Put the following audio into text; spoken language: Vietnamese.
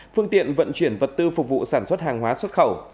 phương tiện vận chuyển vật tư phục vụ sản xuất hàng hóa xuất khẩu